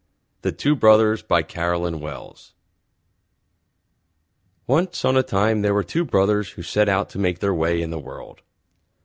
THE TWO BROTHERS BY CAROLYN WELLS Once on a Time there were Two Brothers who Set Out to make their Way In The World.